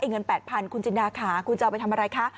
เงิน๘๐๐คุณจินดาค่ะคุณจะเอาไปทำอะไรคะ